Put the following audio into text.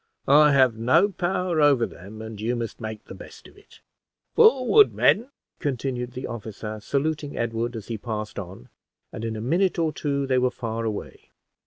I have no power over them, and you must make the best of it. Forward! men," continued the officer, saluting Edward as he passed on; and in a minute or two they were far away.